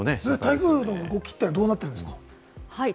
台風の動きはどうなってるんですか？